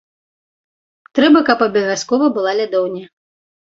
Трэба, каб абавязкова была лядоўня.